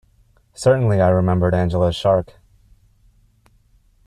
Certainly I remembered Angela's shark.